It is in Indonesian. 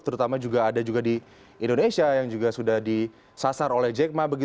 terutama juga ada juga di indonesia yang juga sudah disasar oleh jack ma